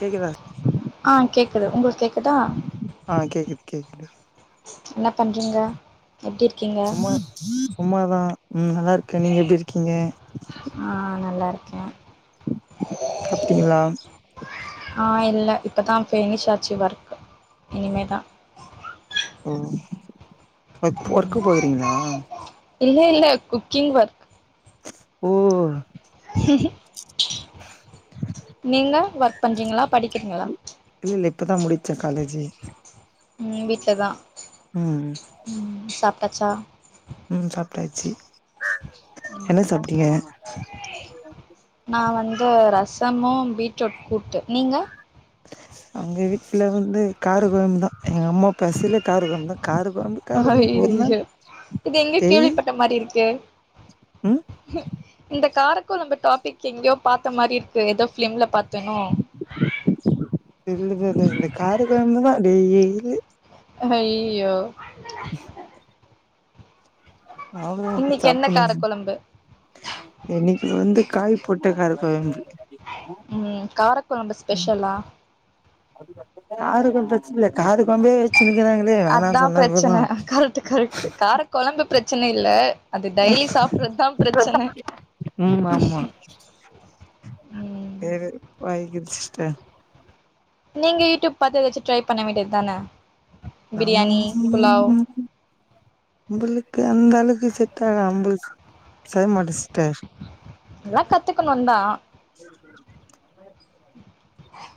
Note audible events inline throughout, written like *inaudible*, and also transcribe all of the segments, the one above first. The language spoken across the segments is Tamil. கேக்குதா ஆ கேக்குது உங்களுக்கு கேக்குதா ஆ கேக்குது கேக்குது என்னப் பண்றீங்க எப்டி இருக்கீங்க சும்மா சும்மாதா ம் நல்லா இருக் க நீங்க எப்டி இருக்கீங்க ஆ நல்லா இருக்கே சாப்டிங்களா ஆ இல்ல இப்பதா ஃபினிஷ் ஆச்சு ஒர்க்கு இனிமேதா ஓ ஒர்க் ஒர்க்கு போயிறீங்களா இல்ல இல்ல குக்கிங் ஒர்க் ஓ உம் ஹ்ம் ஒர்க் பண்றீங்களா படிக்கிறீங்களா *inaudible* இல்ல இல்ல இப்பதா முடிச்ச காலேஜு ம் வீட்லதா உம் ம் சாப்ட்டாச்சா ம் சாப்ட்டாச்சு என்ன சாப்ட்டீங்க நா வந்து ரசமு பீட்ரூட் கூட்டு நீங்க எங்க வீட்ல வந்து கார கொழம்பு தா எங்க அம்மா பசிலே கார கொழம்பு கார கொழம்பு ஒரு நாள் ஐய்யோ இது எங்கயோ டெய் கேள்விப்பட்ட மாரி இருக்கு ம் இந்த காரக்கொழம்பு டாப்பிக் எங்கேயோ பாத்த மாரி இருக்கே எதோ ஃபிலிம்ல பாத்தேனோ இல்ல *unintelligible* இல்ல இந்த காரக் கொழம்புதா டெய்லி ஐய்யிய்யோ அவ்ளோதா அது இன்னைக்கு என்ன சாப்புட்ணு காரக்குழம்பு இன்னைக்கு வந்து காய் போட்டக் காரக்கொழம்பு ம் காரக்கொழம்பு ஸ்பெஷலா காரக்கொழம்பு பிரச்சினல்ல காரக்கொழம்பே வச்சின்னுக்குறாங்க அதா பிரச்சன கரெக்ட்டு கரெட்டு காரக்கொழம்பு பிரச்சன இல்ல அது டெய்லி சாப்புறதுதா பிரச்சன ம் வேற வாய்க்கு சிஸ்டர் நீங்க யூடியூப் பாத்து எதாச்சு ட்ரை பண்ண வேண்டியது தான நம் பிரியாணி புலாவ் நம்பளுக்கு அந்தளவுக்கு செட்டா அம்பல்ஸ் சேம் அடிஸ்ட்ட எல்லா கத்துக்கணுந்தா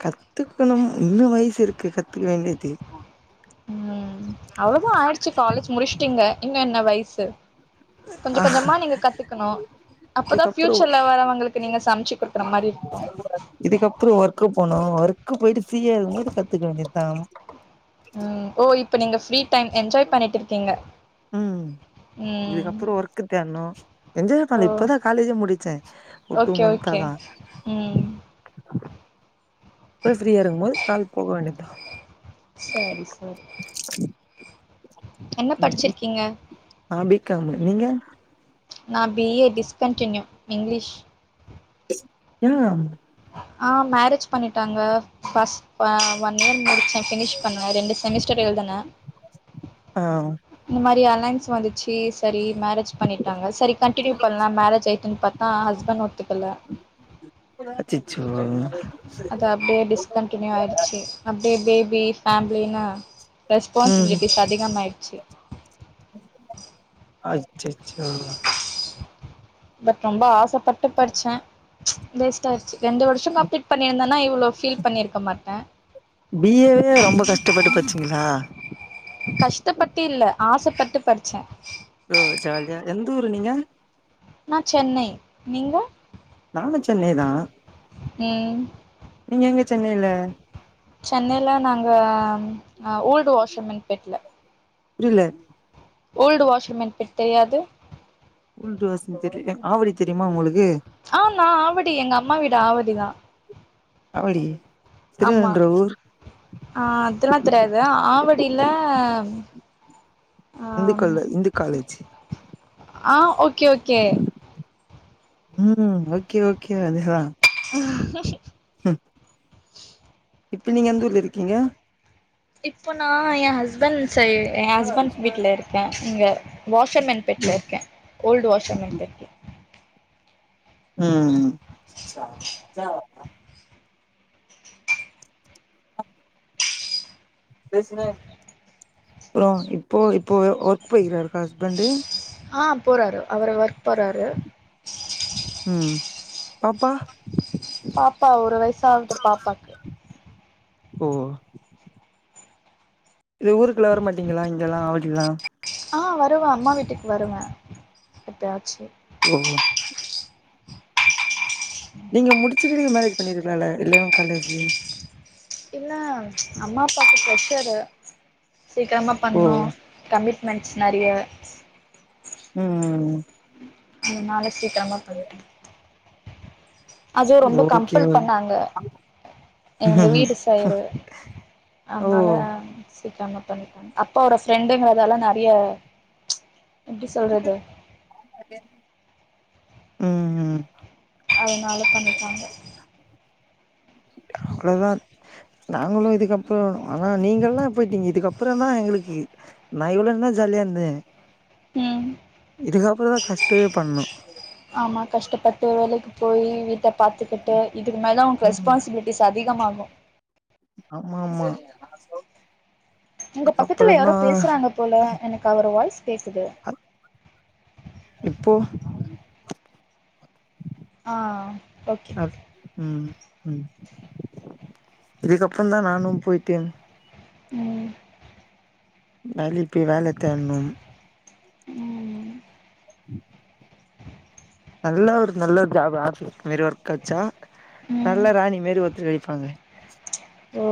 கத்துக் கணும் இன்னு வயசு இருக்கு கத்துக்க வேண்டிது ம் அவ்வளோதா ஆயிடுச்சி காலேஜ் முடிஸ்ட்டீங்க இன்னு என்ன வயிசு கொஞ்சோ ஆ கொஞ்சோமா நீங்க கத்துக்கணு அப்பதா இதுக்கப்புறோ ஃபியூச்சர்ல வரவங்களுக்கு நீங்க சமச்சி குடுக்குற மாரி இருக்கு இதுக்கப்புறோ ஒர்க்கு போனு ஒர்க்கு போயிட்டு ஃப்ரீயா இருக்கும் போது கத்துக்க வேண்டியதா ம் ஓ இப்ப நீங்க ஃப்ரீ டைம் என்ஜாய் பண்ணிட்டு இருக்கீங்க ம் ம் இதுக்கப்புறோ ஒர்க்கு தேட்ணு என்ஜாய் பண்ல ஓ இப்பதா காலேஜே முடிச்ச ஓகே ஓகே ம் அப்ற ஃப்ரீயா இருக்கும்போது கால் போக வேண்டியதா சரி சரி என்ன ம் படிச்சிருக்கீங்க நா பிக்காமு நீங்க நா பி ஏ டிஸ்கன்டினியூ இங்கிலீஷ் ஏ ஆ மேரேஜ் பண்ணிட்டாங்க ஃபஸ்ட் ஆ ஒன் இயர் முடிச்ச ஃபினிஷ் பண்ண ரெண்டு செமஸ்டர் எழுதுன ஆ இந்த மாரி அலைன்ஸ் வந்துச்சு சரி மேரேஜ் பண்ணிட் டாங்க சரி கண்டினியூ பண்லா மேரேஜ் ஆயிட்டுன்னு பாத்தா ஹஸ்பண்ட் ஒத்துக்கல அச்சச்சோ அது அப்டியே டிஸ்கண்டினியூ ஆயிடுச்சு அப்டியே பேபி ஃபேமிலினு ம் ரெஸ்பான்சிபிலிட்டிஸ் அதிகமாயிடுச்சு அச்சச்சோ பட் ரொம்ப ஆசைப்பட்டு படிச்சே வேஸ்ட் ஆயிருச்சு ரெண்டு வருஷம் நா ஃபீட் பண்ணியிருந்தனா இவ்ளோ ஃபீல் பண்ணியிருக்க மாட்டே பி ஏ வே ரொம்ப கஷ்டப்பட்டு படிச்சீங்களா கஷ்டப்பட்டு இல்ல ஆசைப்பட்டு படிச்சே ஓ ஜால்லியா எந்த ஊரு நீங்க நா சென்னை நீங்க நானும் சென்னை தா ம் நீங்க எங்க சென்னைல சென்னையில நாங்க ஓல்டு வாஷர்மென் பெட்ல புரில ஓல்டு வாஷர்மன் பெட் தெரியாது ம்ட்டு யோசிச்சிட் இருக்கே ஆவடி தெரியுமா உங்களுக்கு ஆநா ஆவடி எங்க அம்மா வீடு ஆவடிதா ஆவடி ஆமா திருவன்ற ஊர் அதெல்லா தெரியாது ஆவடில ஆ இந்து ஆமா கால இந்து காலேஜ் ஆ ஓகே ஓகே ம் ஓகே ஓகே அதுதா ம் *unintelligible* இப்ப நீங்க எந்த ஊர்ல இருக்கீங்க இப்போ நா எ ஹஸ்பண்ட் ச எ ஹஸ்பண்ட் வீட்ல இருக்கே இங்க வாஷர்மேன் பெட்ல ம் இருக்கே ஓல்டு வாஷர்மேன் பெட் ம் பேசினே அப்றம் இப்போ இப்போ ஒர்க் போயிருக் காறா ஹஸ்பண்ட்டு ஆ போறாரு அவரு ஒர்க் போறாரு ம் பாப்பா பாப்பா ஒரு வயசாவ்து பாப்பாக்கு ஓ இது ஊருக்குலா வர மாட்டங்களா இங்கெல்லா ஆவடில்லா ஆ வருவே அம்மா வீட்டுக்கு வருவே எப்பயாச்சு ஓ நீங்க முடிச்சிட்டு மேரேஜ் பண்ணிருக்கலால *unintelligible* காலேஜ் இல்ல அம்மா அப்பாக்கு ப்ரெஷரு சீக்கிரமா ஓ பண்ணணு கமிட்மெண்ட்ஸ் நெறைய ம் அதனால சீக்கிரமாக பண்ட்டே அது ரொம்ப ஓகே கம்பள் ஓ பண்ணாங்க எங்க வீட்டு சயடு ஓ அதனால பேசிட்டாங்க பண்ணிட்டாங்க அப்பா ஓட ஃப்ரெண்டுங்கறதால நெறைய எப்டி சொல்றது அதே ம் அதனால பண்ணிட்டாங்க அவ்ளதா நாங்களும் இதுக்கப்புறோ ஆனா நீங்கல்லா போய்ட்டீங்க இதுக்கப்புற தா எங்களுக்கு நா இவ்ளோ நாள் ஜாலியாருந்தே ம் இதுக்கப்புற தா கஷ்டேவே பண்ணும் ஆமா கஷ்டப்பட்டு வேலைக்கு போயி வீட்ட பாத்துக்கிட்டு இதுக்கு மேல தா உனக்கு ம் ரெஸ்பான்சிபிலிட் டிஸ் அதிகமாகு ஆமா ஆமா உங்க பக்கத்துல யாரோ இதுக்கப்றோந்தா பேசுறாங்க போல எனக்கு அவர் வாய்ஸ் கேக்குது இப்போ ஆ ஓகே அப் ம் ம் இதுக்கப்பறந்தா நானும் போயிட்டு ம் நலுப்பி வேல தேட்ணும் ம் ம் உம் நல்ல ஒரு நல்ல ஒரு ஜாப் ஆஃபீஸ் மாரி ஒர்க் கெச்சா ம் நல்ல ராணி மாரி ஒருத்த கெடைப்பாங்க ஓ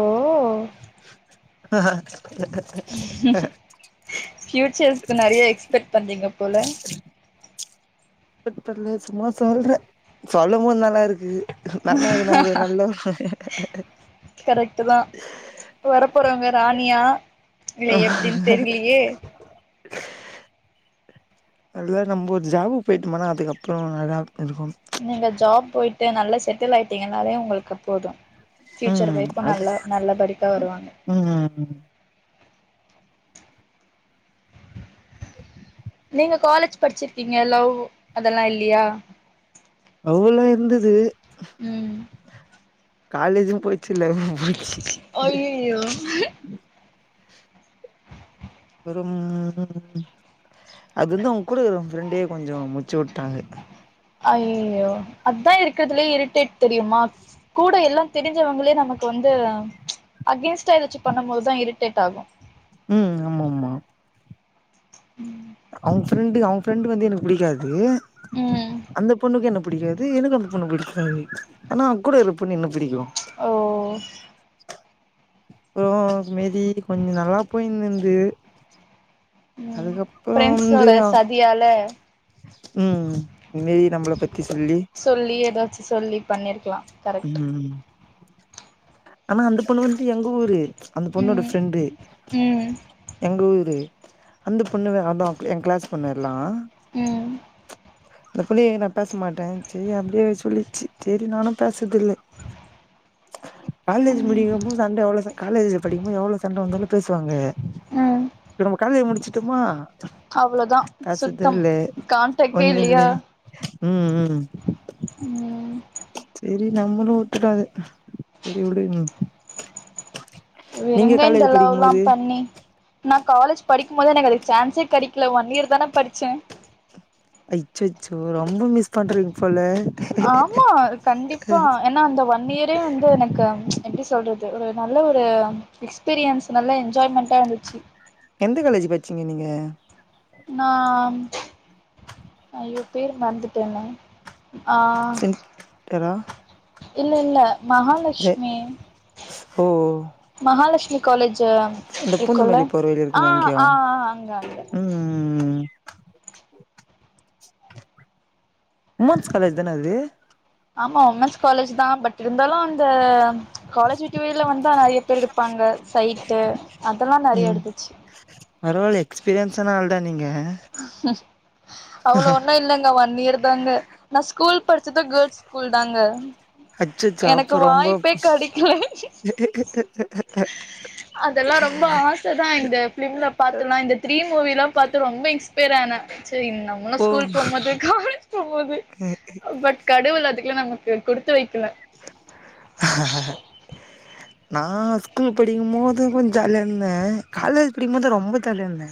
ஆஹ ஃபியூச்சர்ஸக்கு நெறய எக்ஸ்பெக்ட் பண்றீங்க போல பெக்ட் பண்ல சும்மா சொல்றே சொல்லவு நல்லா இருக்கு நல்ல அது நம்மளை ஒரு நல்ல கரெக்ட் தா வரப்போறவங்க ராணியா இல்ல எப்டின்னு தெரியலையே அதுலா நம்போ ஒரு ஜாபுக்கு போயிட்டோம்னா அதுக்கப்புறம் நல்லா இருக்கும் நீங்க ஜாப் போயிட்டு நல்லா செட்டில் ஆய்டீங்கனாலே உங்களுக்கு போதும் பியூச்சர் ஒய்ஃப்பும் அது நல்லா நல்ல படிக்கா வருவாங்க ம் ம் நீங்க காலேஜ் படிச்சிருக்கீங்க லவ் அதெல்லா இல்லயா லவ் எல்லாம் இருந்தது ம் காலேஜும் போய் ச்சுல்ல போச்சு அய்யோ ஒரு ம் அது வந்து அவுங்க கூட இருக்குற ஃப்ரெண்டே கொஞ்சோ முடிச்சு வுட்டாங்க அய்யயோ அதா இருக்கிறதுலயே இரிடேட் தெரியுமா கூட எல்லா தெரிஞ்சவங்களே நமக்கு வந்து அகேன்ஸ்டா ஏதாச்சு பண்ணம் போதுதா இரிடேட் ஆகு ம் ஆமா ஆமா அவுங்க ஃப்ரெண்டு அவுங்க ஃப்ரெண்டு் வந்து எனக்கு புடிக்காது ம் அந்த பொண்ணுக்கு என்ன புடிக்காது எனக்கு அந்த பொண்ண புடிக்காது ஆனா அவ கூட இருக்குற பொண்ண என்ன புடிக்கு ஓ றோ மேரி கொஞ்சோ நல்லா போய்னுந்துது ம் அதுக்கப்புற வந்து ஃப்ரெண்ட்ஸோட சதியால ம் மேரி நம்மள பத்தி சொல்லி சொல்லி ஏதாச்சு சொல்லி பண்ணிருக்கலா கரெக்ட் ம் ஆனா அந்த பொண்ணு வந்துடு எங்க ஊரு அந்த பொண்ணோட ம் ஃப்ரெண்டு ம் எங்க ஊரு அந்த பொண்ணு வெ அதா என் கிளாஸ் பொண்ணு எல்லா ம் இந்த புள்ளயே நா பேச மாட்டேன்சி அப்டியே சொல்லிச்சி சேரி நானு பேசர்தில்ல காலேஜி ம் படிக்குபோ சண்ட எவ்ளோ ச காலேஜில படிக்கும்போது எவ்ளோ சண்ட வந்தாலு பேசுவாங்க ம் இப்ப நம்ம காலேஜி முடிச்சிட்டோமா அவ்ளோதா சுத்தம் காண்டக்டே ஒண்ணு இல்லையா இல்ல ம் ம் ம் சேரி நம்மளு உட்டுட்டோ அது சேரி உடுங்கோ இதுல எங்க இந்த காலேஜ் படிக்கும் லவ்லா போது பண்ணி நா காலேஜ் படிக்கும் போத நா காலேஜ் படிக்கும் போதே எனக்கு அதுக் சான்ஸே கெடைக்கல ஒன் இயர் தானே படிச்சே அச்சச்சோ ரொம்ப மிஸ் பண்றீங்க போல ஆமா கண்டிப்பா ஏன்னா அந்த ஒன் இயரே வந்து எனக்கு எப்டி சொல்றது ஒரு நல்ல ஒரு எக்ஸ்பீரியன்ஸ் நல்ல என்ஜாய்மெண்ட்டா இருந்துச்சு எந்த காலேஜ் பட்சிங்க நீங்க நா ஐயோ பேர் மறந்துட்டேனே ஆ கெதா இல்ல இல்ல மஹாலஷ்மி ஓ மஹாலஷ்மி காலேஜி அந்த இருக்குள்ள பூந்தமல்லி போற வழில ஆ இருக்குமே அங்கயா ஆ ஆ அங்க அங்க ம் ம் உமன்ஸ் காலேஜ் தானே அது ஆமா உமன்ஸ் காலேஜ் தா பட் இருந்தாலு அந்த காலேஜ் விட்டு வெளிய வந்தா நெறைய பேர் இருப்பாங்க சைட்டு அதெல்லா நெறைய இருத்துச்சு பரவால்லியே எக்ஸ்பீரியன்ஸான ஆள்தா நீங்க ஹ்ம் அவ்ளோ ஒன்னு இல்லங்க ஒன் இயர் தாங்க நா ஸ்கூல் படிச்சது கேர்ள்ஸ் ஸ்கூல் தாங்க அச்சச்சா எனக்கு அப்போ ரொம்ப வாய்ப்பே கெடைக்கல அதெல்லா ரொம்ப ஆச தா இந்த பிலிம்ல பாத்துலா இந்த த்ரீ மூவில்லாம் பாத்து ரொம்ப இன்ஸ்பைர் ஆன செரி நம்மளு ஓ ஸ்கூல் போம்போது காலேஜ் போம்போது பட் கடவுள் அதுக்குலா நமக்கு குடுத்து வைக்கல ஹ ஹஹ நா ஸ்கூல் படிக்கும்போது கொஞ்சோ ஜாலியா இருந்த காலேஜ் படிக்கும்போது ரொம்ப ஜாலியா இருந்த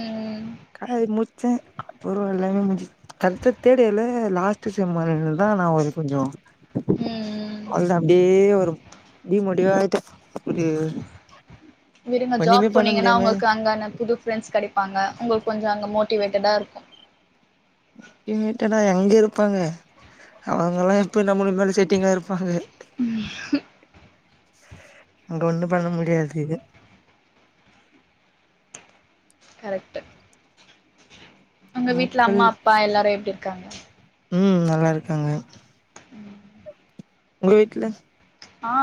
ம் காலேஜ் முச்சே அப்புறோ எல்லாமே முஞ்சி அடுத்த தேரட் இயர்ல லாஸ்ட் செம்ம வேற இருந்தது அப்பதா நா ஒரு கொஞ்சோ ம் ம் அவுள் தா அப்டியே ஒரு டி மோட்டிவா ஆயிட்டே இது விடுங்க ஜாப் போனீங்கன்னா உங்களுக்கு அங்கன புது ஃப்ரெண்ட்ஸ் கெடைப்பாங்க உங்களுக்கு கொஞ்சோ அங்கே மோட்டிவேட்டடா இருக்கு இனிமேட்டு எல்லா எங்க இருப்பாங்க அவுங்கல்லா எப்போ நம்மளுக்கு மேல செட்டிங்கா இருப்பாங்க உம் அங்கே ஒன்னு பண்ண முடியாது இது கரெக்ட்டு உங்க வீட்ல நம்பள் அம்மா அப்பா எல்லாரு எப்டி இருக்காங்க ம் நல்லா இருக்காங்க ம் உங்க வீட்ல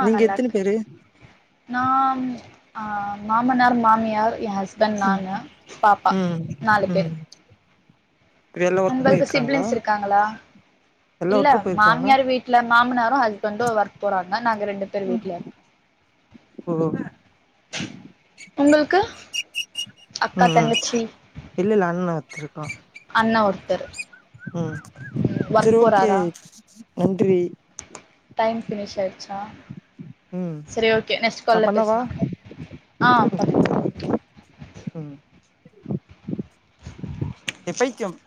நீங்க எத்தன பேரு நா அ மாமனார் மாமியார் எ கஸ் பெண்ட் ம் நானு பாப்பா ம் நாலு பேர் ம் எல்லா ஒர்க் உங்களுக்கு போயிருக்காங்களா சிப்லிங்ஸ் இருக்காங்களா எல்லா இல்ல ஒர்க்கு போயிருக்காங்களா மாமியார் வீ ட்ல மாமனாரு ஹஸ்பண்டு ஒர்க் போறாங்க நாங்க ரெண்டு பேர் வீட்ல இருக்கோ ஓ உங்களுக்கு அக்கா ம்ம் தங்கச்சி இல்லல்ல அண்ண வச்சுருக்கா அண்ணா ஒருத்தர் ம் சரி ஓகே போறாரா நன்றி டைம் பினிஷ் ஆய்ருச்சா ம் சரி ஓகே நெக்ஸ்ட் நா கால்ல பண்ணவா பேசலாம் ஆ பண்ணுங்க உம் எ பைத்தியம்